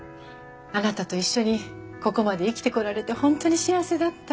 あなたと一緒にここまで生きてこられて本当に幸せだった。